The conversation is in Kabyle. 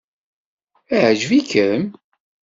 Iɛǧeb-ikem?